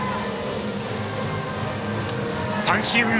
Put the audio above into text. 三振！